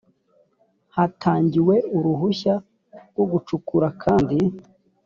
hatangiwe uruhushya rwo gucukura kandi